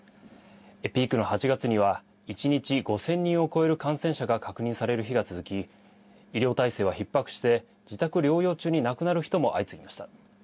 ピークの８月には一日５０００人を超える感染者が確認される日が続き医療体制はひっ迫して自宅療養中に亡くなる人も相次ぎました。